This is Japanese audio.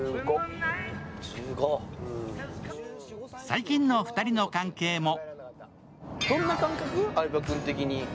最近の２人の関係も。